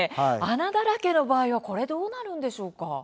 穴だらけの場合はこれどうなるんでしょうか。